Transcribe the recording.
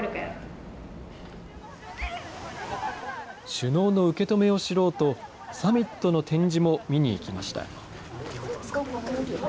首脳の受け止めを知ろうと、サミットの展示も見に行きました。